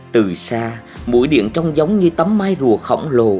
từ xa mũi điện trong giống như tấm mai rùa khổng lồ